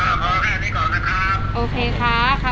ตัวไดงุ่มสำหรับการคุณ